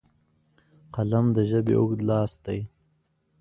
قلم د ژبې اوږد لاس دی